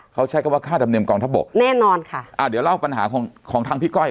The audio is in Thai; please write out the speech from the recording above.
เขาใช้คำว่าค่าธรรมเนียกองทบกแน่นอนค่ะอ่าเดี๋ยวเล่าปัญหาของของทางพี่ก้อย